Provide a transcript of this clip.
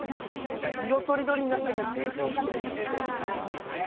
何か色とりどりになってく成長過程見れるのも楽しいよね。